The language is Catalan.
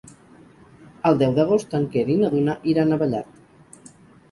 El deu d'agost en Quer i na Duna iran a Vallat.